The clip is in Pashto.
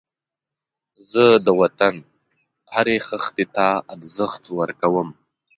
زه د وطن هرې خښتې ته ارزښت ورکوم